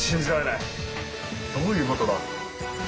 どういうことだ？